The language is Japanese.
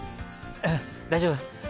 大丈夫？